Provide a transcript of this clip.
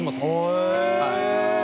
へえ！